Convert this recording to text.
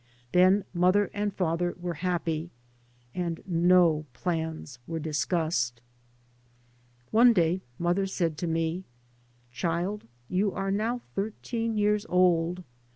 Then mother and father were happy; and no plans were discussed. One day mother said to me, " Childie, you are now thirteen years old.